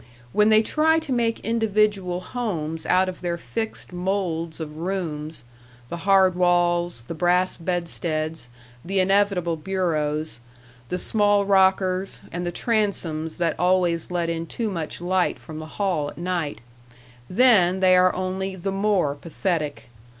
When they try to make individual homes out of their fixed molds of rooms the hard walls, the brass bedsteads, the inevitable bureaus, the small rockers, and the transoms that always let in too much light from the hall at night then they are only the more pathetic.